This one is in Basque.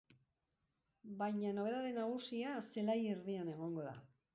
Baina nobedade nagusia zelai erdian egongo da.